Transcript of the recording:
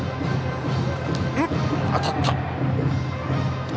当たった。